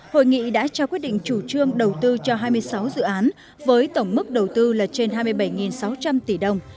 hội nghị đã trao quyết định chủ trương đầu tư cho hai mươi sáu dự án với tổng mức đầu tư là trên hai mươi bảy sáu trăm linh tỷ đồng